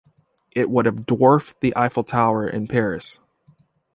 It would have dwarfed the Eiffel Tower in Paris.